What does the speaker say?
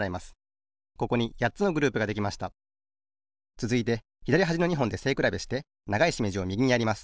つづいてひだりはじの２ほんでせいくらべしてながいしめじをみぎにやります。